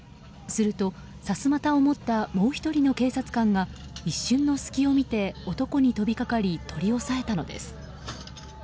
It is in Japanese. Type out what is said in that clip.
すると、さすまたを持ったもう１人の警察官が一瞬の隙を見て男に飛び掛かり取り押さえたのです。